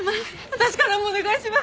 私からもお願いします！